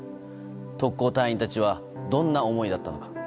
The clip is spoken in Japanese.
特攻隊員たちはどんな思いだったのか。